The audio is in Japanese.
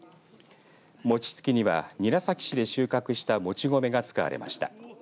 餅つきには韮崎市で収穫したもち米が使われました。